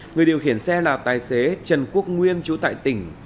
người điều khiển xe là tài xế trần quốc nguyên chú tại tỉnh